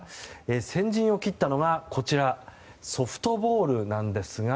先陣を切ったのがソフトボールなんですが。